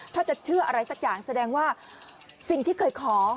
ถ้าจะเชื่ออะไรสักอย่างแสดงว่าสิ่งที่เคยขอ